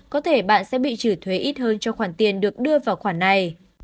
có thể bạn sẽ bị trừ thuế ít hơn cho khoản tiền được đưa vào khoản này